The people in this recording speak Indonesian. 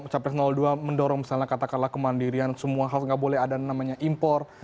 capres dua mendorong misalnya katakanlah kemandirian semua hal nggak boleh ada namanya impor